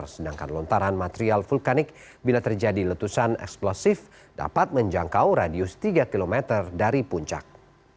sedangkan lontaran material vulkanik bila terjadi letusan eksplosif dapat menjangkau radius tiga km dari puncak